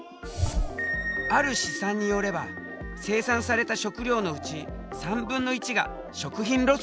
ある試算によれば生産された食料のうち３分の１が食品ロスになっている。